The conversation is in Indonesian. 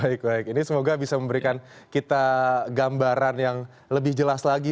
baik baik ini semoga bisa memberikan kita gambaran yang lebih jelas lagi